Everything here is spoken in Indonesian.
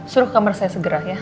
suruh kamar saya segera ya